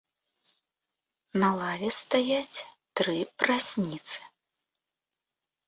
На лаве стаяць тры прасніцы.